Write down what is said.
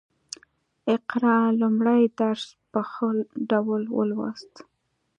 اقرا لومړی درس په ښه ډول ولوست